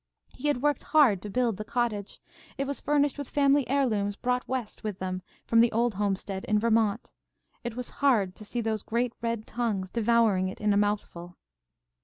He had worked hard to build the cottage. It was furnished with family heirlooms brought West with them from the old homestead in Vermont. It was hard to see those great red tongues devouring it in a mouthful.